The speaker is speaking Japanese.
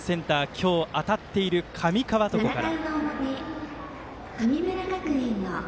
今日当たっている上川床から。